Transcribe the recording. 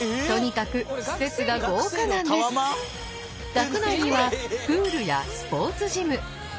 学内にはプールやスポーツジム。